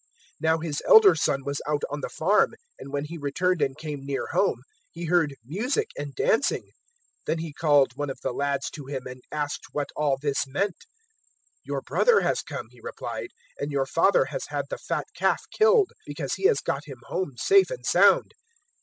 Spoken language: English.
015:025 "Now his elder son was out on the farm; and when he returned and came near home, he heard music and dancing. 015:026 Then he called one of the lads to him and asked what all this meant. 015:027 "`Your brother has come,' he replied; `and your father has had the fat calf killed, because he has got him home safe and sound.'